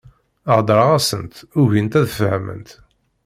Heddreɣ-asent, ugint ad fehment.